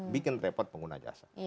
bikin repot pengguna jasa